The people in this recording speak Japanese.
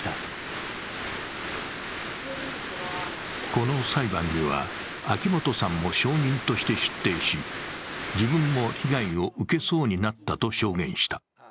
この裁判には秋本さんも証人として出廷し、自分も被害を受けそうになったと証言した。